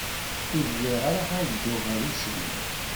Ur riɣ ara ad dduɣ ɣer usegnaf.